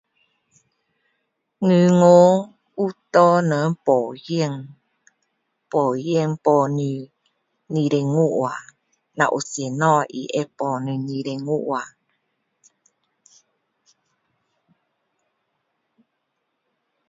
银行有给人保险保险保你二三十万如果有什么它会保你25万